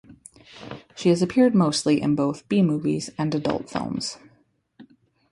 She has appeared mostly in both B-movies and adult films.